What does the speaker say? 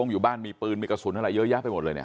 อยู่บ้านมีปืนมีกระสุนอะไรเยอะแยะไปหมดเลยเนี่ย